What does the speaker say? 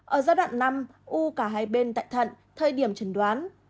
ở giai đoạn năm u cả hai bên tại thận thời điểm trần đoán